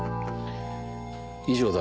以上だ。